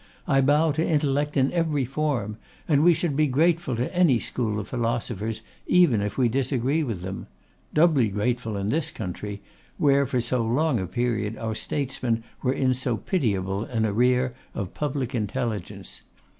I bow to intellect in every form: and we should be grateful to any school of philosophers, even if we disagree with them; doubly grateful in this country, where for so long a period our statesmen were in so pitiable an arrear of public intelligence.